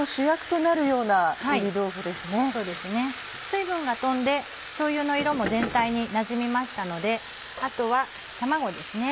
水分が飛んでしょうゆの色も全体になじみましたのであとは卵です。